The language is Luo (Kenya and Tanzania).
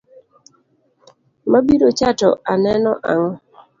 Mabirocha to aneno ang’o?